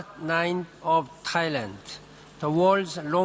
คุณพระเจ้า